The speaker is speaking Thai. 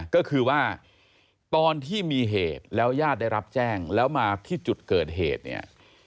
ก็คือว่าตอนที่มีเหตุแล้วญาติได้รับแจ้งแล้วมาที่จุดเกิดเหตุเนี่ย